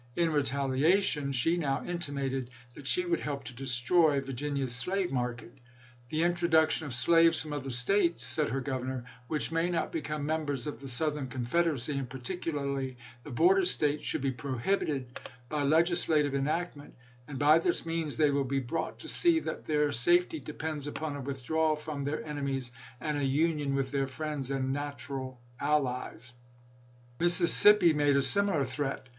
In retali ation she now intimated that she would help to destroy Virginia's slave market. " The introduc tion of slaves from other States," said her Governor, " which may not become members of the Southern Confederacy, and particularly the border States, should be prohibited by legislative enactment, and by this means they will be brought to see that their safety depends upon a withdrawal from their enemies, and a union with their friends and natural allies." Mississippi made a similar threat.